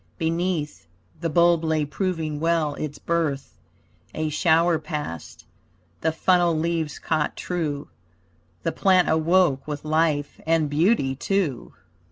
Beneath, the bulb lay proving well its birth A shower passed, the funnel leaves caught true The plant awoke with life and beauty too.